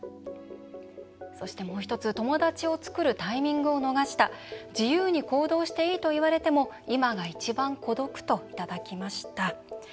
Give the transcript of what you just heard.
そして、もう一つ友達を作るタイミングを逃した自由に行動していいと言われても今が一番孤独といただきました。